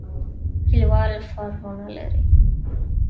کلیوال فارمونه لري.